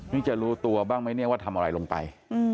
นี่จะรู้ตัวบ้างไหมเนี่ยว่าทำอะไรลงไป